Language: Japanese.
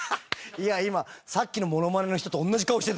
いや今さっきのモノマネの人と同じ顔してたから。